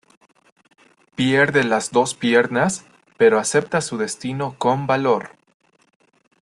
Pierde las dos piernas, pero acepta su destino con valor.